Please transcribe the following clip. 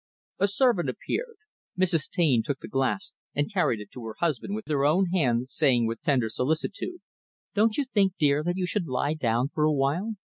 A servant appeared. Mrs. Taine took the glass and carried it to her husband with her own hand, saying with tender solicitude, "Don't you think, dear, that you should lie down for a while?